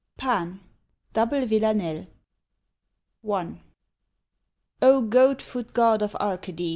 PAN DOUBLE VILLANELLE I. O GOAT FOOT God of Arcady!